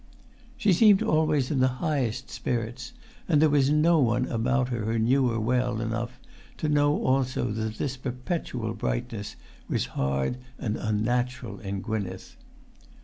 She seemed always in the highest spirits; and there was no one about her who knew her well enough to know also that this perpetual brightness was hard and unnatural in Gwynneth.